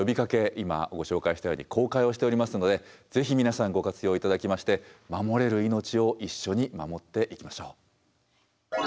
今ご紹介したように公開をしておりますのでぜひ皆さんご活用頂きまして守れる命を一緒に守っていきましょう。